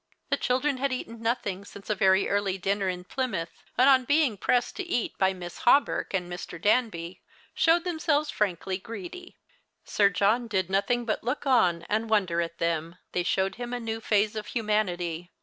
The cLildren had eaten nothing since a very early dinner in Plymouth, and on being pressed to eat by Miss Hawberk and ]\[r. Danby, showed themselves frankly greedy. Sir John did nothing but look on and wonder at them. They showed him a new phase of humanity.